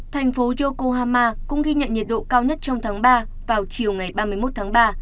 thành phố yokuhama cũng ghi nhận nhiệt độ cao nhất trong tháng ba vào chiều ngày ba mươi một tháng ba